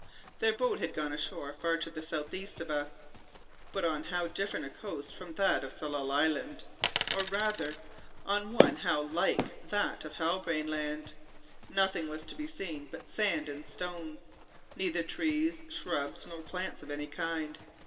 Their boat had gone ashore far to the south east of us. But on how different a coast from that of Tsalal Island, or, rather, on one how like that of Halbrane Land! Nothing was to be seen but sand and stones; neither trees, shrubs, nor plants of any kind.